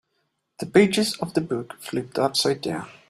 The pages of the book flipped upside down.